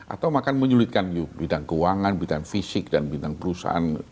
atau akan menyulitkan bidang keuangan bidang fisik dan bidang perusahaan